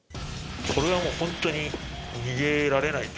これはもう本当に逃げられないというか。